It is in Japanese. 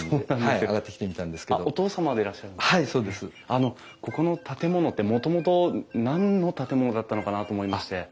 あのここの建物ってもともと何の建物だったのかなと思いまして。